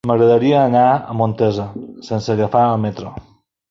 M'agradaria anar a Montesa sense agafar el metro.